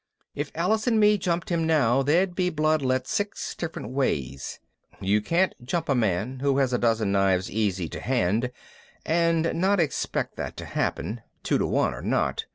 If Alice and me jumped him now there'd be blood let six different ways. You can't jump a man who has a dozen knives easy to hand and not expect that to happen, two to one or not.